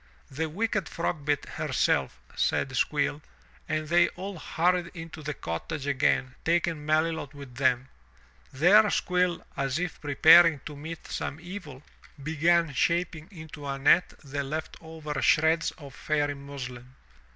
'The wicked Frogbit herself," said Squill, and they all hurried into the cottage again taking Melilot with them. There Squill, as if preparing to meet some evil, began shaping into a net the left over shreds of Fairy muslin.